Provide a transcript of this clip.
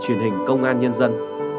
chuyển hình công an nhân dân